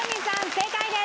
正解です。